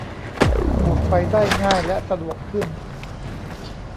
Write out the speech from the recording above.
ออกไปได้ง่ายและสะดวกขึ้น